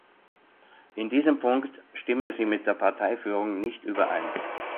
In diesem Punkt stimme sie mit der Parteiführung nicht überein.